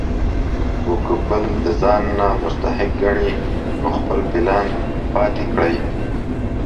خو کۀ بل د ځان نه مستحق ګڼي نو خپل پلان پاتې کړي ـ